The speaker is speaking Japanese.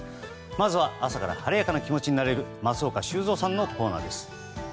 まずは朝から晴れやかな気持ちになれる松岡修造さんのコーナーです。